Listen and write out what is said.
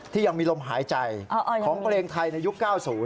ยังมีลมหายใจของเพลงไทยในยุค๙๐